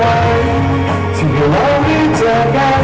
ขอบคุณทุกเรื่องราว